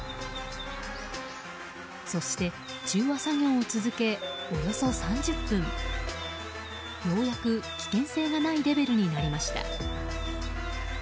そして中和作業を続けおよそ３０分ようやく危険性がないレベルになりました。